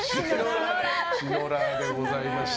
シノラーでございました。